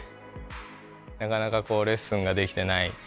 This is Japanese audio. なかなかレッスンができてない